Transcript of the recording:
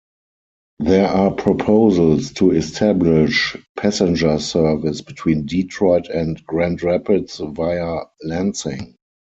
There are proposals to establish passenger service between Detroit and Grand Rapids via Lansing.